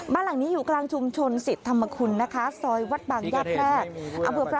บ้านหลังนี้อยู่กลางชุมชนศิษฐรรมคุณนะคะซอยวัดบางยาแพร่